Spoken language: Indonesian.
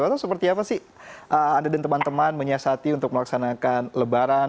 atau seperti apa sih anda dan teman teman menyiasati untuk melaksanakan lebaran